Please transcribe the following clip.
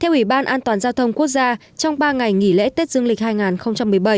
theo ủy ban an toàn giao thông quốc gia trong ba ngày nghỉ lễ tết dương lịch hai nghìn một mươi bảy